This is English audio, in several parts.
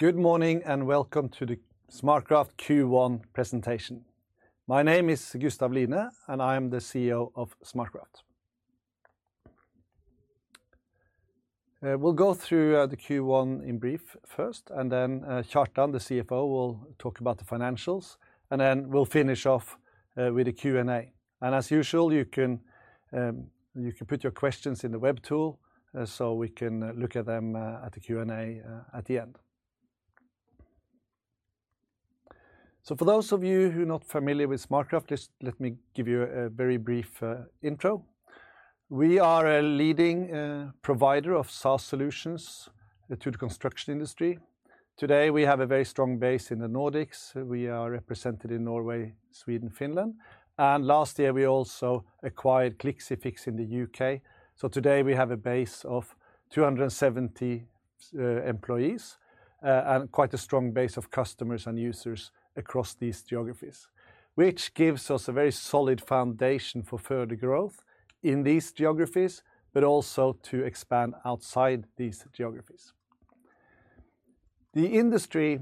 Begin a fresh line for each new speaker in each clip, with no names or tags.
Good morning and Welcome to the SmartCraft Q1 presentation. My name is Gustav Line, and I am the CEO of SmartCraft. We'll go through the Q1 in brief first, and then Kjartan, the CFO, will talk about the financials, and then we'll finish off with a Q&A. As usual, you can put your questions in the web tool so we can look at them at the Q&A at the end. For those of you who are not familiar with SmartCraft, let me give you a very brief intro. We are a leading provider of SaaS solutions to the construction industry. Today, we have a very strong base in the Nordics. We are represented in Norway, Sweden, Finland, and last year we also acquired Clixifix in the U.K. Today we have a base of 270 employees and quite a strong base of customers and users across these geographies, which gives us a very solid foundation for further growth in these geographies, but also to expand outside these geographies. The industry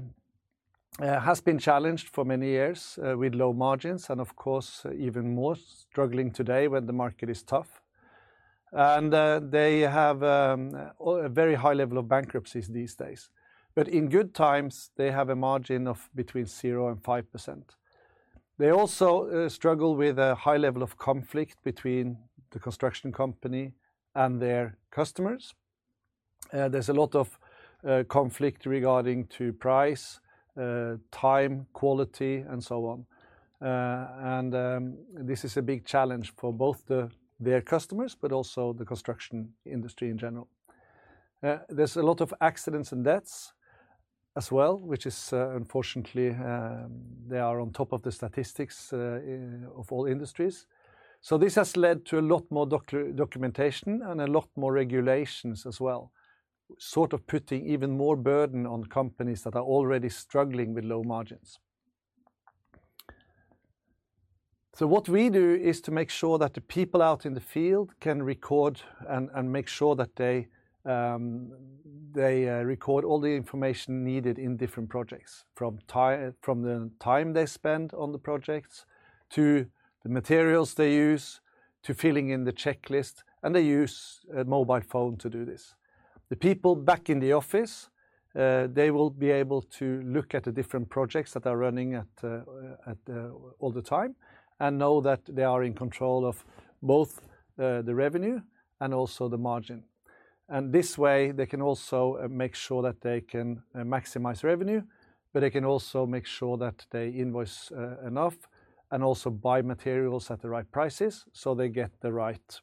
has been challenged for many years with low margins and, of course, even more struggling today when the market is tough. They have a very high level of bankruptcies these days. In good times, they have a margin of between 0% and 5%. They also struggle with a high level of conflict between the construction company and their customers. There is a lot of conflict regarding price, time, quality, and so on. This is a big challenge for both their customers, but also the construction industry in general. There's a lot of accidents and deaths as well, which is unfortunately, they are on top of the statistics of all industries. This has led to a lot more documentation and a lot more regulations as well, sort of putting even more burden on companies that are already struggling with low margins. What we do is to make sure that the people out in the field can record and make sure that they record all the information needed in different projects, from the time they spend on the projects to the materials they use, to filling in the checklist. They use a mobile phone to do this. The people back in the office, they will be able to look at the different projects that are running all the time and know that they are in control of both the revenue and also the margin. In this way, they can also make sure that they can maximize revenue, but they can also make sure that they invoice enough and also buy materials at the right prices so they get the right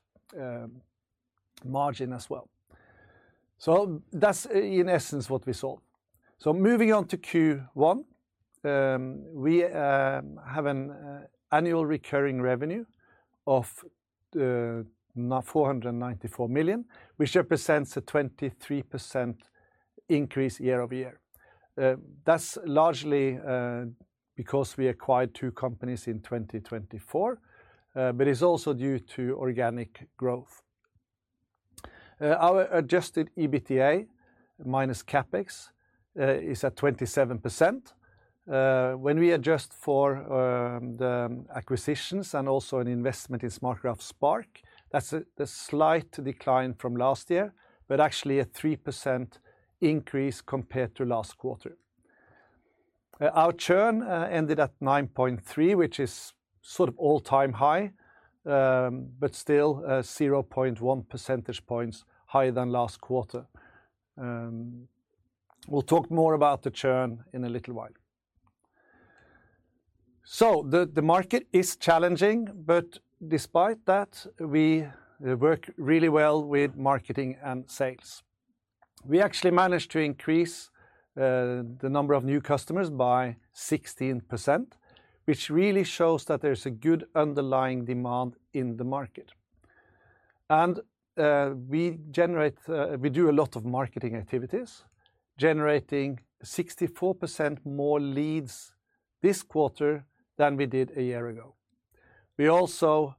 margin as well. That is, in essence, what we solve. Moving on to Q1, we have an annual recurring revenue of 494 million, which represents a 23% increase year-over-year. that is largely because we acquired two companies in 2024, but it is also due to organic growth. Our adjusted EBITDA minus CapEx is at 27%. When we adjust for the acquisitions and also an investment in SmartCraft Spark, that is a slight decline from last year, but actually a 3% increase compared to last quarter. Our churn ended at 9.3%, which is sort of all-time high, but still 0.1 percentage points higher than last quarter. We'll talk more about the churn in a little while. The market is challenging, but despite that, we work really well with marketing and sales. We actually managed to increase the number of new customers by 16%, which really shows that there's a good underlying demand in the market. We do a lot of marketing activities, generating 64% more leads this quarter than we did a year ago. We also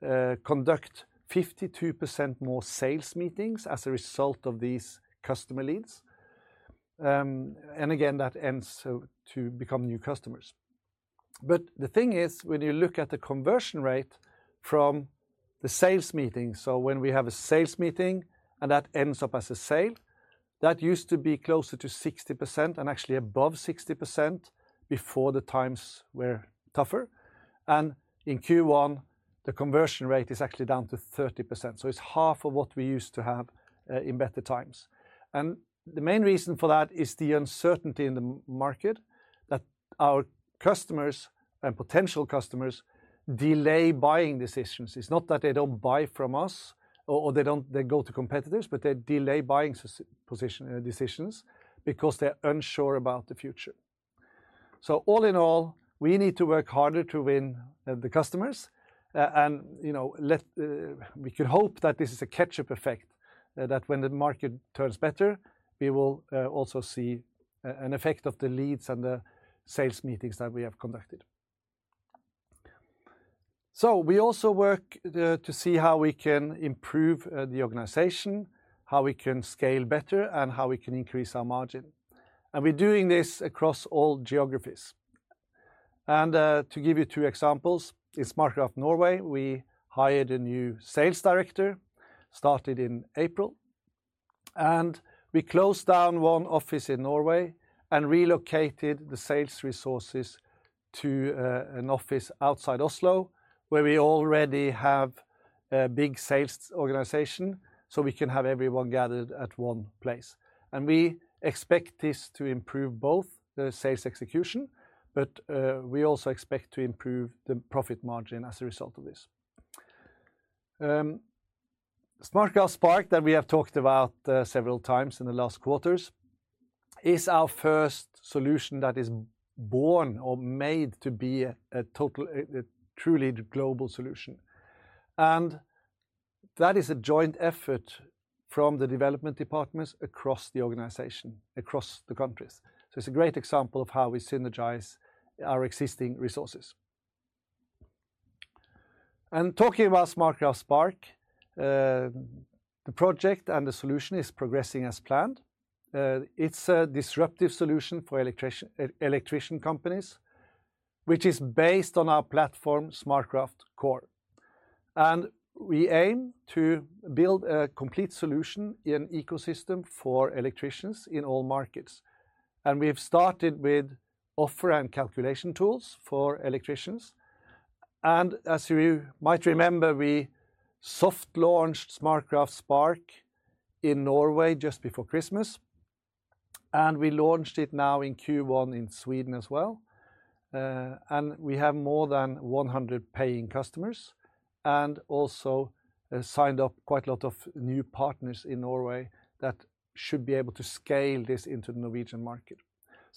conduct 52% more sales meetings as a result of these customer leads. Again, that ends to become new customers. The thing is, when you look at the conversion rate from the sales meeting, so when we have a sales meeting and that ends up as a sale, that used to be closer to 60% and actually above 60% before the times were tougher. In Q1, the conversion rate is actually down to 30%. It's half of what we used to have in better times. The main reason for that is the uncertainty in the market that our customers and potential customers delay buying decisions. It's not that they don't buy from us or they go to competitors, but they delay buying decisions because they're unsure about the future. All in all, we need to work harder to win the customers. We can hope that this is a catch-up effect, that when the market turns better, we will also see an effect of the leads and the sales meetings that we have conducted. We also work to see how we can improve the organization, how we can scale better, and how we can increase our margin. We're doing this across all geographies. To give you two examples, in SmartCraft Norway, we hired a new Sales Director, started in April, and we closed down one office in Norway and relocated the sales resources to an office outside Oslo, where we already have a big sales organization so we can have everyone gathered at one place. We expect this to improve both the sales execution, but we also expect to improve the profit margin as a result of this. SmartCraft Spark, that we have talked about several times in the last quarters, is our first solution that is born or made to be a truly global solution. That is a joint effort from the development departments across the organization, across the countries. It is a great example of how we synergize our existing resources. Talking about SmartCraft Spark, the project and the solution is progressing as planned. It's a disruptive solution for electrician companies, which is based on our platform, SmartCraft Core. We aim to build a complete solution in an ecosystem for electricians in all markets. We have started with offer and calculation tools for electricians. As you might remember, we soft-launched SmartCraft Spark in Norway just before Christmas. We launched it now in Q1 in Sweden as well. We have more than 100 paying customers and also signed up quite a lot of new partners in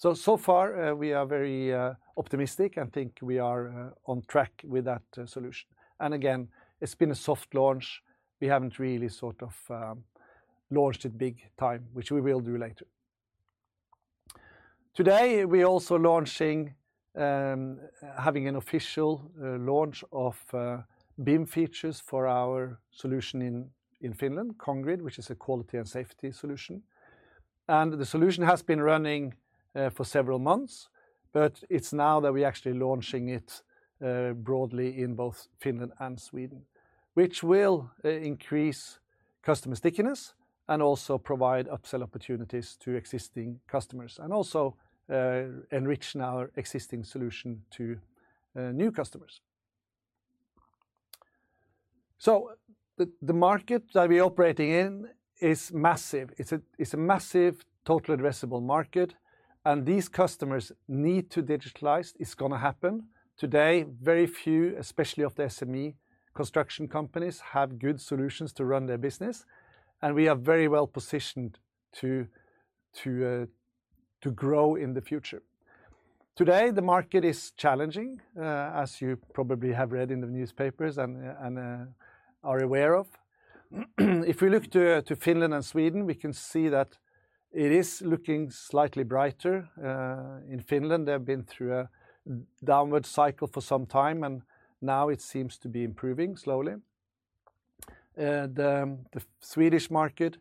Norway that should be able to scale this into the Norwegian market. So far, we are very optimistic and think we are on track with that solution. Again, it has been a soft launch. We have not really sort of launched it big time, which we will do later. Today, we are also launching, having an official launch of BIM features for our solution in Finland, Congrid, which is a quality and safety solution. The solution has been running for several months, but it's now that we're actually launching it broadly in both Finland and Sweden, which will increase customer stickiness and also provide upsell opportunities to existing customers and also enrich our existing solution to new customers. The market that we are operating in is massive. It's a massive total addressable market. These customers need to digitalize. It's going to happen. Today, very few, especially of the SME construction companies, have good solutions to run their business. We are very well positioned to grow in the future. Today, the market is challenging, as you probably have read in the newspapers and are aware of. If we look to Finland and Sweden, we can see that it is looking slightly brighter. In Finland, they've been through a downward cycle for some time, and now it seems to be improving slowly. The Swedish market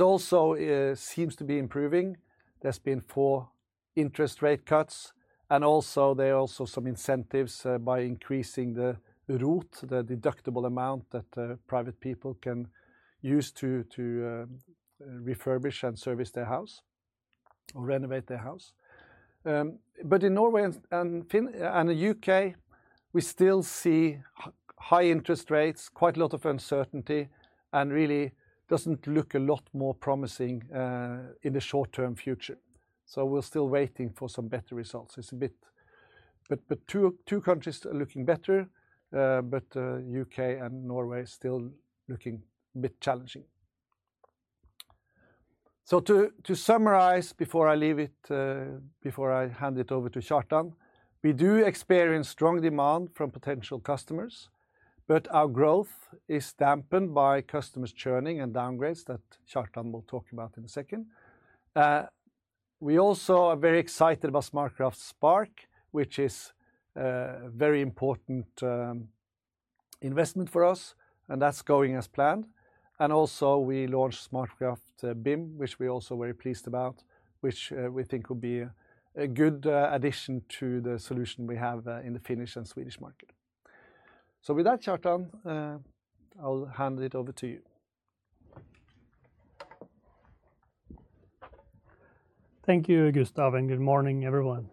also seems to be improving. There's been four interest rate cuts, and also there are some incentives by increasing the ROT, the deductible amount that private people can use to refurbish and service their house or renovate their house. In Norway and the U.K., we still see high interest rates, quite a lot of uncertainty, and really doesn't look a lot more promising in the short-term future. We're still waiting for some better results. Two countries are looking better, but the U.K. and Norway are still looking a bit challenging. To summarize before I leave it, before I hand it over to Kjartan, we do experience strong demand from potential customers, but our growth is dampened by customers churning and downgrades that Kjartan will talk about in a second. We also are very excited about SmartCraft Spark, which is a very important investment for us, and that's going as planned. We also launched SmartCraft BIM, which we are also very pleased about, which we think will be a good addition to the solution we have in the Finnish and Swedish market. With that, Kjartan, I'll hand it over to you.
Thank you, Gustav, and good morning, everyone.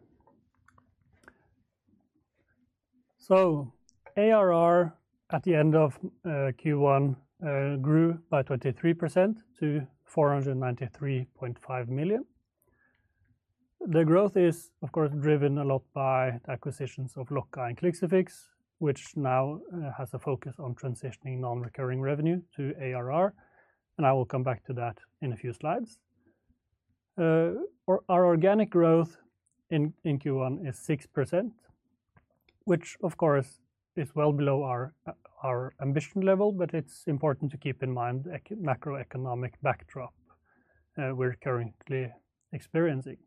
ARR at the end of Q1 grew by 23% to 493.5 million. The growth is, of course, driven a lot by the acquisitions of Locka and Clixifix, which now has a focus on transitioning non-recurring revenue to ARR. I will come back to that in a few slides. Our organic growth in Q1 is 6%, which, of course, is well below our ambition level, but it's important to keep in mind the macroeconomic backdrop we're currently experiencing.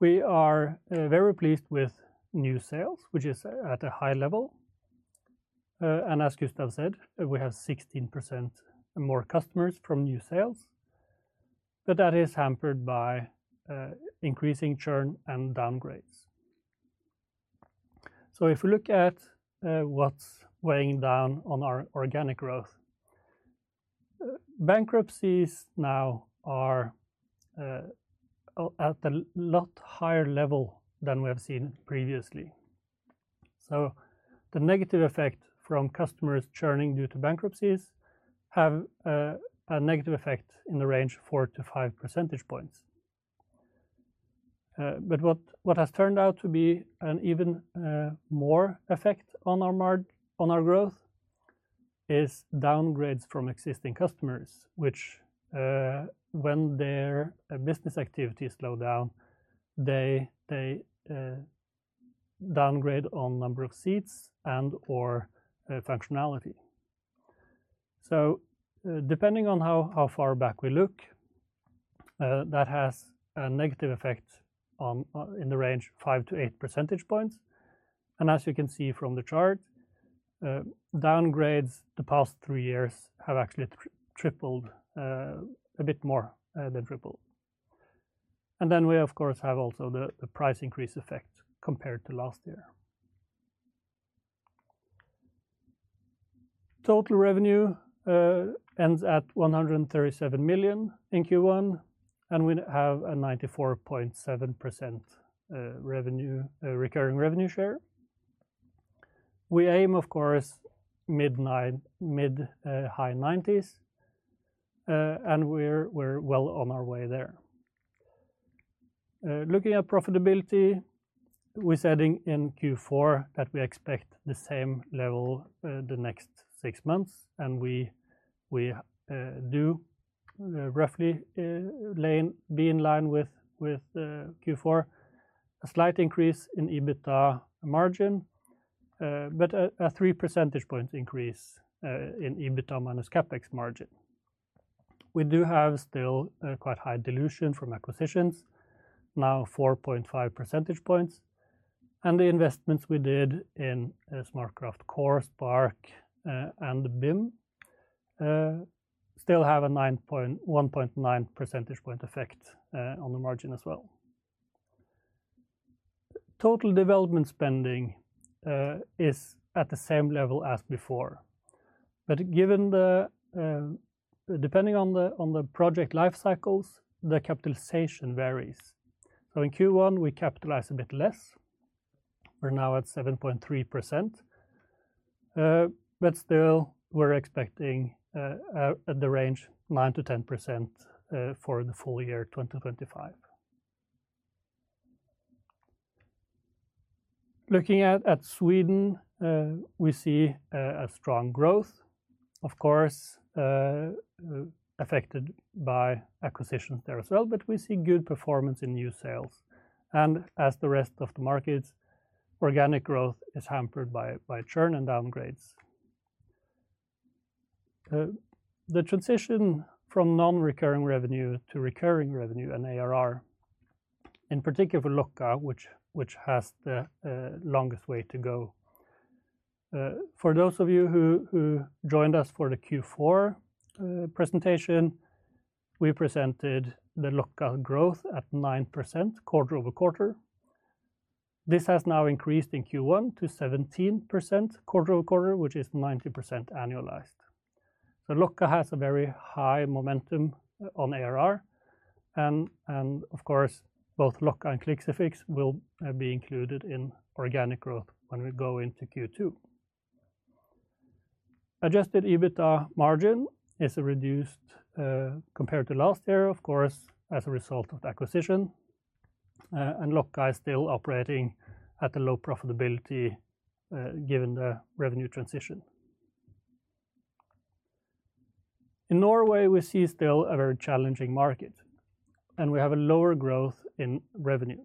We are very pleased with new sales, which is at a high level. As Gustav said, we have 16% more customers from new sales, but that is hampered by increasing churn and downgrades. If we look at what's weighing down on our organic growth, bankruptcies now are at a lot higher level than we have seen previously. The negative effect from customers churning due to bankruptcies has a negative effect in the range of 4-5 percentage points. What has turned out to be an even more effect on our growth is downgrades from existing customers, which, when their business activities slow down, they downgrade on number of seats and/or functionality. Depending on how far back we look, that has a negative effect in the range of 5-8 percentage points. As you can see from the chart, downgrades the past three years have actually tripled, a bit more than tripled. We, of course, have also the price increase effect compared to last year. Total revenue ends at 137 million in Q1, and we have a 94.7% recurring revenue share. We aim, of course, mid-high 90s, and we're well on our way there. Looking at profitability, we said in Q4 that we expect the same level the next six months, and we do roughly be in line with Q4. A slight increase in EBITDA margin, but a 3 percentage points increase in EBITDA minus CapEx margin. We do have still quite high dilution from acquisitions, now 4.5 percentage points. And the investments we did in SmartCraft Core, Spark, and BIM still have a 1.9 percentage point effect on the margin as well. Total development spending is at the same level as before, but depending on the project life cycles, the capitalization varies. In Q1, we capitalized a bit less. We are now at 7.3%, but still we are expecting at the range of 9%-10% for the full year 2025. Looking at Sweden, we see a strong growth, of course, affected by acquisitions there as well, but we see good performance in new sales. As the rest of the markets, organic growth is hampered by churn and downgrades. The transition from non-recurring revenue to recurring revenue and ARR, in particular for Locka, which has the longest way to go. For those of you who joined us for the Q4 presentation, we presented the Locka growth at 9% quarter over quarter. This has now increased in Q1 to 17% quarter over quarter, which is 90% annualized. Locka has a very high momentum on ARR. Of course, both Locka and Clixifix will be included in organic growth when we go into Q2. Adjusted EBITDA margin is reduced compared to last year, of course, as a result of the acquisition. Locka is still operating at a low profitability given the revenue transition. In Norway, we see still a very challenging market, and we have a lower growth in revenue.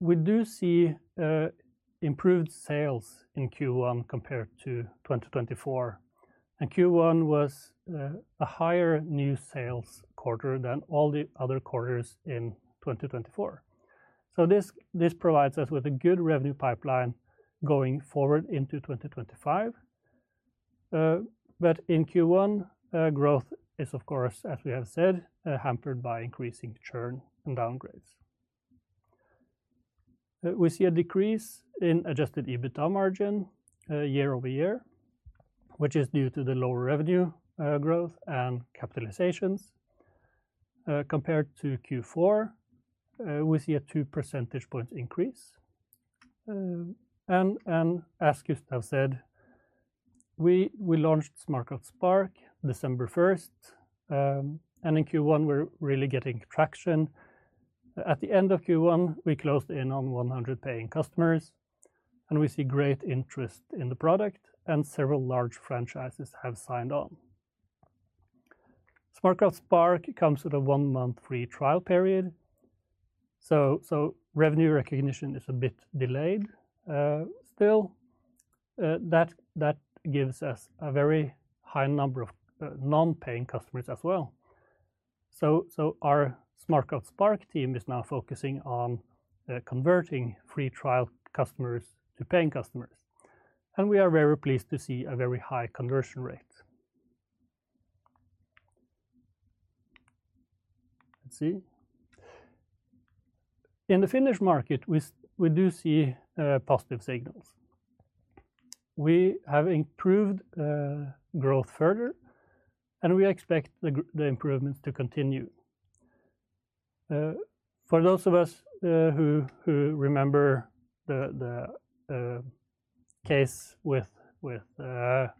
We do see improved sales in Q1 compared to 2024. Q1 was a higher new sales quarter than all the other quarters in 2024. This provides us with a good revenue pipeline going forward into 2025. In Q1, growth is, of course, as we have said, hampered by increasing churn and downgrades. We see a decrease in adjusted EBITDA margin year-over-year, which is due to the lower revenue growth and capitalizations. Compared to Q4, we see a 2 percentage points increase. As Gustav said, we launched SmartCraft Spark December 1st, and in Q1, we're really getting traction. At the end of Q1, we closed in on 100 paying customers, and we see great interest in the product, and several large franchises have signed on. SmartCraft Spark comes with a one-month free trial period, so revenue recognition is a bit delayed still. That gives us a very high number of non-paying customers as well. Our SmartCraft Spark team is now focusing on converting free trial customers to paying customers. We are very pleased to see a very high conversion rate. Let's see. In the Finnish market, we do see positive signals. We have improved growth further, and we expect the improvements to continue. For those of us who remember the case with the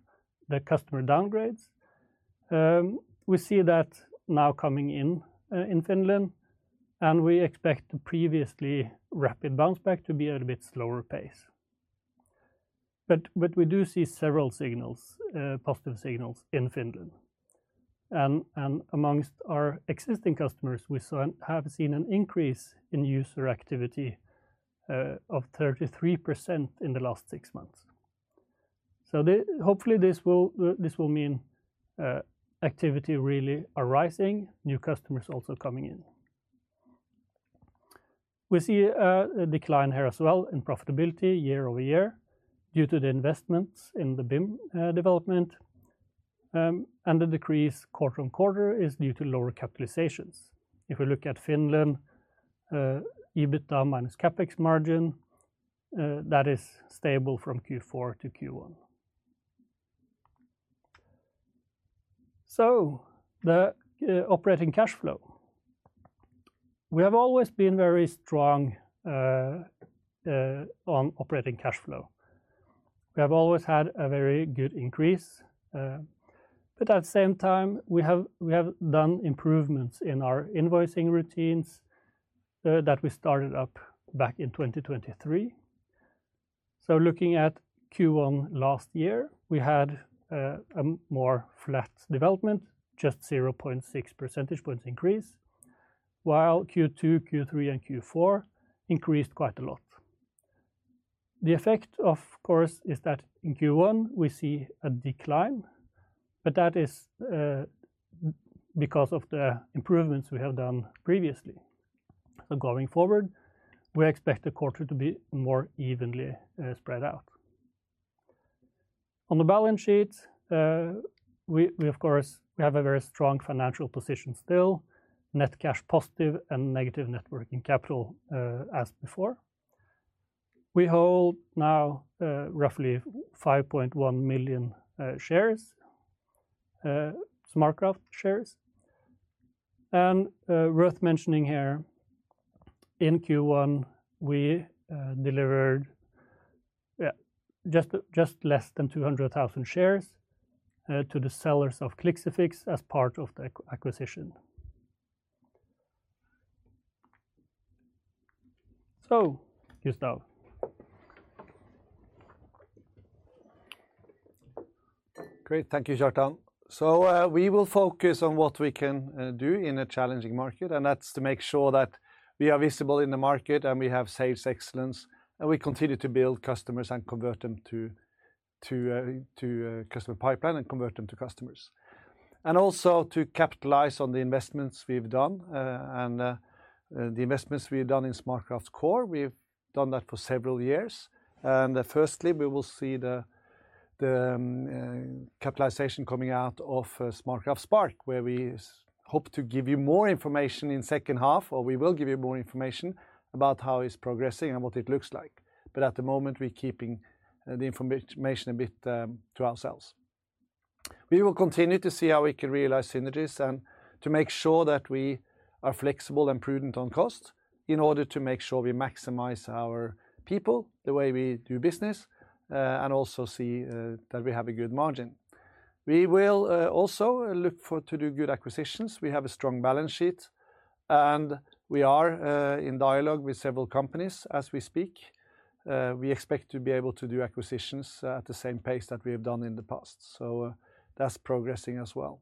customer downgrades, we see that now coming in Finland, and we expect the previously rapid bounce back to be at a bit slower pace. We do see several signals, positive signals in Finland. Amongst our existing customers, we have seen an increase in user activity of 33% in the last six months. Hopefully, this will mean activity really rising, new customers also coming in. We see a decline here as well in profitability year-over-year due to the investments in the BIM development. The decrease quarter on quarter is due to lower capitalizations. If we look at Finland, EBITDA minus CapEx margin is stable from Q4 to Q1. The operating cash flow, we have always been very strong on operating cash flow. We have always had a very good increase. At the same time, we have done improvements in our invoicing routines that we started up back in 2023. Looking at Q1 last year, we had a more flat development, just 0.6 percentage points increase, while Q2, Q3, and Q4 increased quite a lot. The effect, of course, is that in Q1, we see a decline, but that is because of the improvements we have done previously. Going forward, we expect the quarter to be more evenly spread out. On the balance sheet, we, of course, have a very strong financial position still, net cash positive and negative net working capital as before. We hold now roughly 5.1 million shares, SmartCraft shares. Worth mentioning here, in Q1, we delivered just less than 200,000 shares to the sellers of Clixifix as part of the acquisition. So, Gustav.
Great. Thank you, Kjartan. We will focus on what we can do in a challenging market, and that is to make sure that we are visible in the market and we have sales excellence, and we continue to build customers and convert them to a customer pipeline and convert them to customers. Also, to capitalize on the investments we have done and the investments we have done in SmartCraft Core. We have done that for several years. Firstly, we will see the capitalization coming out of SmartCraft Spark, where we hope to give you more information in the second half, or we will give you more information about how it is progressing and what it looks like. At the moment, we are keeping the information a bit to ourselves. We will continue to see how we can realize synergies and to make sure that we are flexible and prudent on costs in order to make sure we maximize our people, the way we do business, and also see that we have a good margin. We will also look to do good acquisitions. We have a strong balance sheet, and we are in dialogue with several companies as we speak. We expect to be able to do acquisitions at the same pace that we have done in the past. That is progressing as well.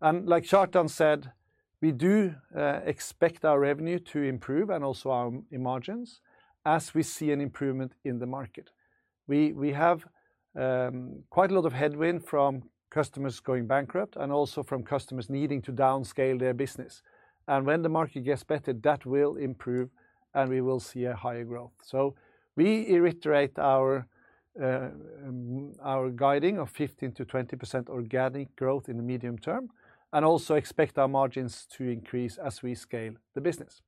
Like Kjartan said, we do expect our revenue to improve and also our margins as we see an improvement in the market. We have quite a lot of headwind from customers going bankrupt and also from customers needing to downscale their business. When the market gets better, that will improve and we will see a higher growth. We reiterate our guiding of 15%-20% organic growth in the medium term and also expect our margins to increase as we scale the business.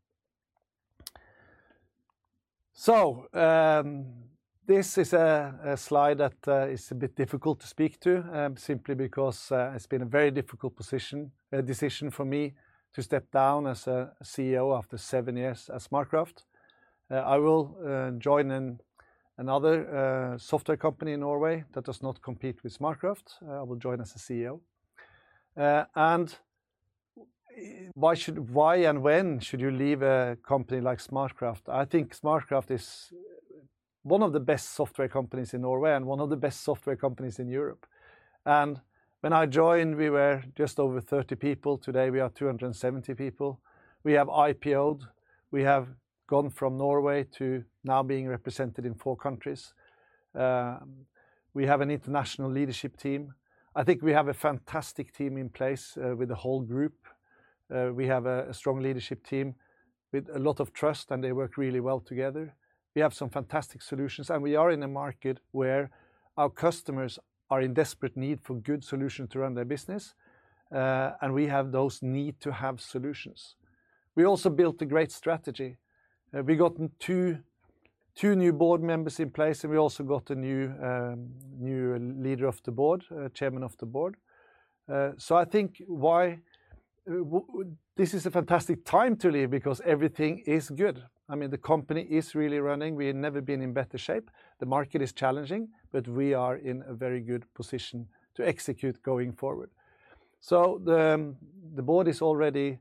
This is a slide that is a bit difficult to speak to simply because it has been a very difficult decision for me to step down as CEO after seven years at SmartCraft. I will join another software company in Norway that does not compete with SmartCraft. I will join as CEO. Why and when should you leave a company like SmartCraft? I think SmartCraft is one of the best software companies in Norway and one of the best software companies in Europe. When I joined, we were just over 30 people. Today, we are 270 people. We have IPOed. We have gone from Norway to now being represented in four countries. We have an international leadership team. I think we have a fantastic team in place with the whole group. We have a strong leadership team with a lot of trust, and they work really well together. We have some fantastic solutions, and we are in a market where our customers are in desperate need for good solutions to run their business, and we have those need-to-have solutions. We also built a great strategy. We got two new board members in place, and we also got a new leader of the board, chairman of the board. I think this is a fantastic time to leave because everything is good. I mean, the company is really running. We have never been in better shape. The market is challenging, but we are in a very good position to execute going forward. The board is already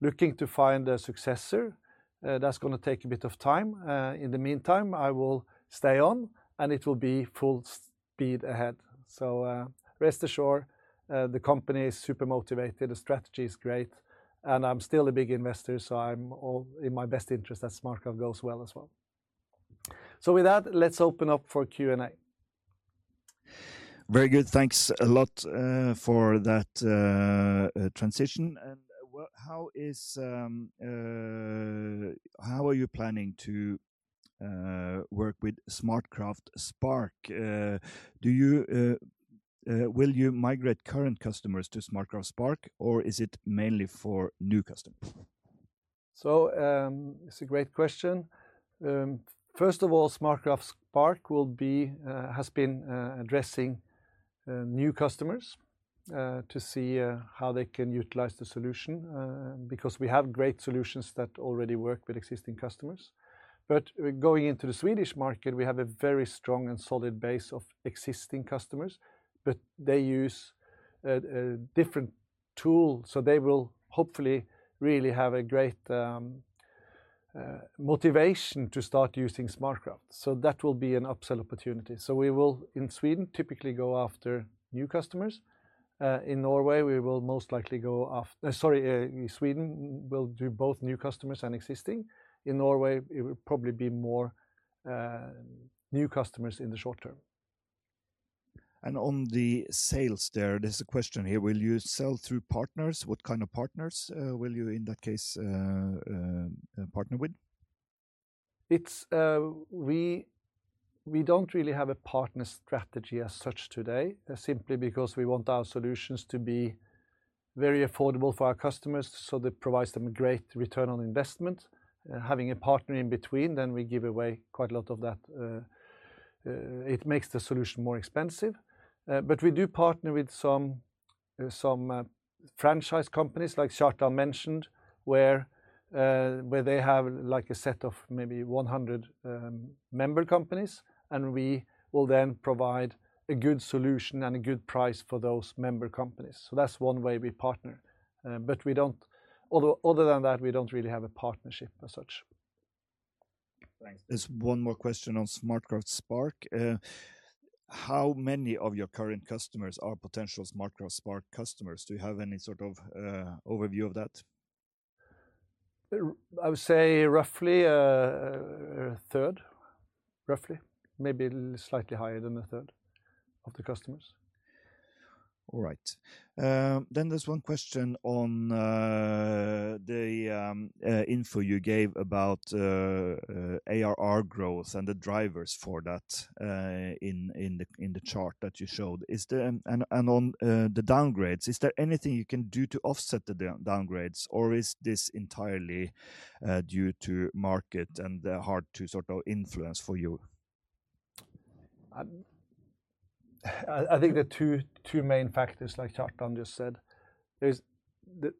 looking to find a successor. That's going to take a bit of time. In the meantime, I will stay on, and it will be full speed ahead. Rest assured, the company is super motivated. The strategy is great. I'm still a big investor, so it is in my best interest that SmartCraft goes well as well. With that, let's open up for Q&A.
Very good. Thanks a lot for that transition. How are you planning to work with SmartCraft Spark? Will you migrate current customers to SmartCraft Spark, or is it mainly for new customers?
It's a great question. First of all, SmartCraft Spark has been addressing new customers to see how they can utilize the solution because we have great solutions that already work with existing customers. Going into the Swedish market, we have a very strong and solid base of existing customers, but they use different tools. They will hopefully really have a great motivation to start using SmartCraft. That will be an upsell opportunity. In Sweden, we will typically go after new customers. In Norway, we will most likely go after—sorry, Sweden will do both new customers and existing. In Norway, it will probably be more new customers in the short term.
On the sales there, there's a question here. Will you sell through partners? What kind of partners will you, in that case, partner with?
We do not really have a partner strategy as such today, simply because we want our solutions to be very affordable for our customers so that it provides them a great return on investment. Having a partner in between, then we give away quite a lot of that. It makes the solution more expensive. We do partner with some franchise companies, like Kjartan mentioned, where they have a set of maybe 100 member companies, and we will then provide a good solution and a good price for those member companies. That is one way we partner. Other than that, we do not really have a partnership as such.
Thanks. There's one more question on SmartCraft Spark. How many of your current customers are potential SmartCraft Spark customers? Do you have any sort of overview of that?
I would say roughly a third, roughly. Maybe slightly higher than a third of the customers.
All right. There is one question on the info you gave about ARR growth and the drivers for that in the chart that you showed. On the downgrades, is there anything you can do to offset the downgrades, or is this entirely due to market and hard to sort of influence for you?
I think there are two main factors, like Kjartan just said. There's the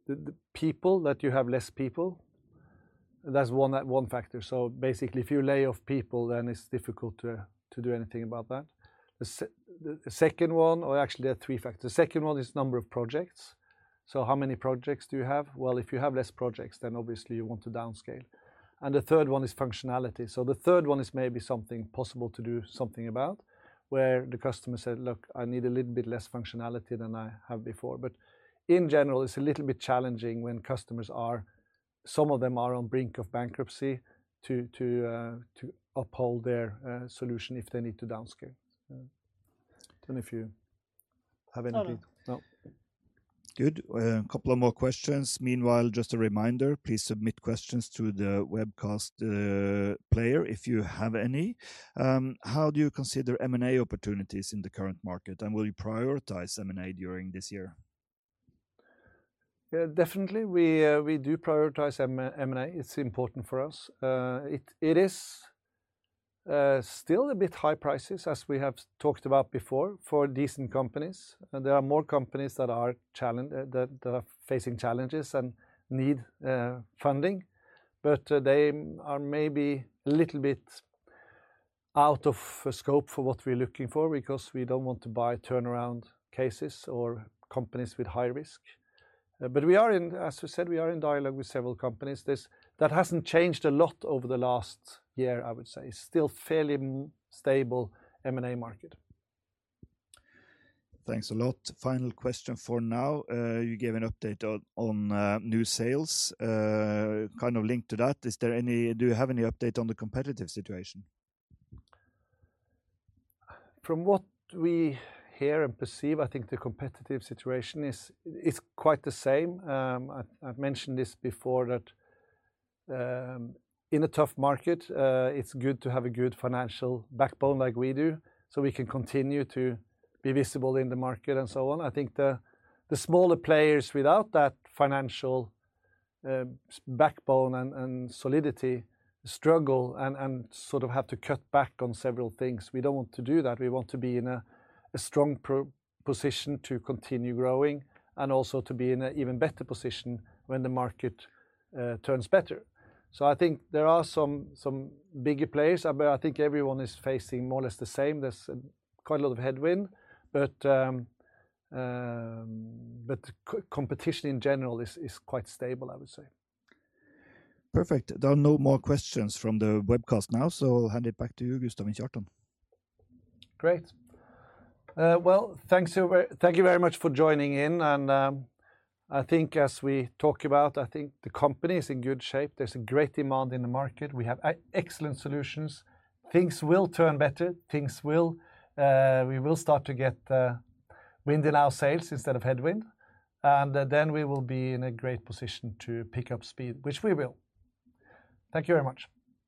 people that you have less people. That's one factor. Basically, if you lay off people, then it's difficult to do anything about that. The second one, or actually there are three factors. The second one is number of projects. How many projects do you have? If you have less projects, then obviously you want to downscale. The third one is functionality. The third one is maybe something possible to do something about, where the customer says, "Look, I need a little bit less functionality than I have before." In general, it's a little bit challenging when customers are, some of them are on the brink of bankruptcy to uphold their solution if they need to downscale. I don't know if you have anything. No. No.
Good. A couple of more questions. Meanwhile, just a reminder, please submit questions to the webcast player if you have any. How do you consider M&A opportunities in the current market, and will you prioritize M&A during this year?
Definitely, we do prioritize M&A. It's important for us. It is still a bit high prices, as we have talked about before, for decent companies. There are more companies that are facing challenges and need funding, but they are maybe a little bit out of scope for what we're looking for because we don't want to buy turnaround cases or companies with high risk. We are, as we said, we are in dialogue with several companies. That hasn't changed a lot over the last year, I would say. It's still a fairly stable M&A market.
Thanks a lot. Final question for now. You gave an update on new sales. Kind of linked to that, do you have any update on the competitive situation?
From what we hear and perceive, I think the competitive situation is quite the same. I've mentioned this before, that in a tough market, it's good to have a good financial backbone like we do so we can continue to be visible in the market and so on. I think the smaller players without that financial backbone and solidity struggle and sort of have to cut back on several things. We don't want to do that. We want to be in a strong position to continue growing and also to be in an even better position when the market turns better. I think there are some bigger players, but I think everyone is facing more or less the same. There's quite a lot of headwind, but competition in general is quite stable, I would say.
Perfect. There are no more questions from the webcast now, so I'll hand it back to you, Gustav and Kjartan.
Great. Thank you very much for joining in. I think as we talk about, I think the company is in good shape. There is a great demand in the market. We have excellent solutions. Things will turn better. Things will. We will start to get wind in our sails instead of headwind. We will be in a great position to pick up speed, which we will. Thank you very much.